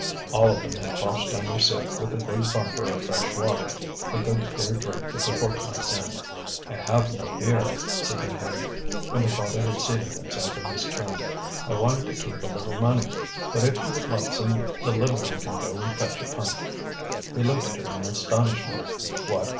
All of them had washed down their soup with a big bumper of fresh water, the good, clear drink of the fortnight's end. "I have no beer," said Maheude, when the father had seated himself in his turn. "I wanted to keep a little money. But if you would like some the little one can go and fetch a pint." He looked at her in astonishment. What!